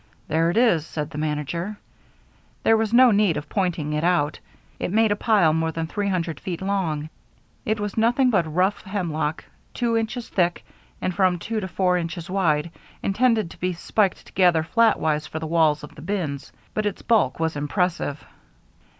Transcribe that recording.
"There it is," said the manager. There was no need of pointing it out. It made a pile more than three hundred feet long. It was nothing but rough hemlock, two inches thick, and from two to ten inches wide, intended to be spiked together flatwise for the walls of the bins, but its bulk was impressive.